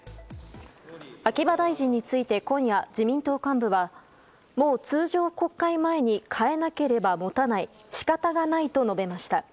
秋葉大臣について今夜、自民党幹部はもう通常国会前に代えなければ持たない仕方がないと述べました。